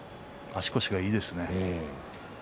足腰がいいですね。